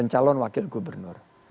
mencalon wakil gubernur